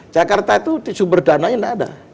jakarta itu sumber dana ini tidak ada